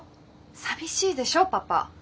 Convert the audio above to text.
寂しいでしょパパ。